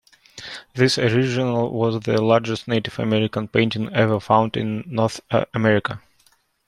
This original was the largest Native American painting ever found in North America.